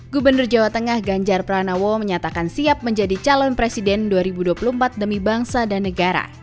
gubernur jawa tengah ganjar pranowo menyatakan siap menjadi calon presiden dua ribu dua puluh empat demi bangsa dan negara